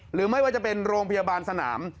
หรือไม่ว่าจะเป็นโรงพยาบาลสนาม